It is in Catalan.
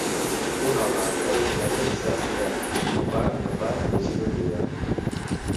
Un home amb cabells negres està estirat en un banc de parc llegint un llibre.